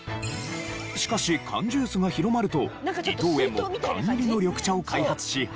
しかし缶ジュースが広まると伊藤園も缶入りの緑茶を開発し販売。